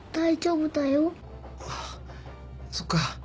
あっそっか。